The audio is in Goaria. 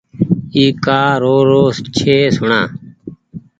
اي ڪآ رو رو ڇي سوڻآ